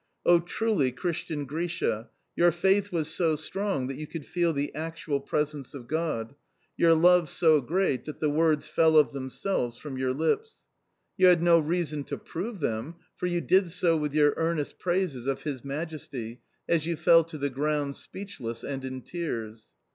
O truly Christian Grisha, your faith was so strong that you could feel the actual presence of God; your love so great that the words fell of themselves from your lips. You had no reason to prove them, for you did so with your earnest praises of His majesty as you fell to the ground speechless and in tears!